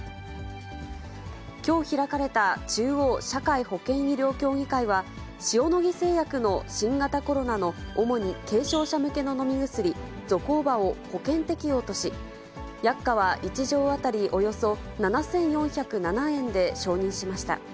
きょう開かれた中央社会保険医療協議会は、塩野義製薬の新型コロナの主に軽症者向けの飲み薬、ゾコーバを保険適用とし、薬価は１錠当たりおよそ７４０７円で承認しました。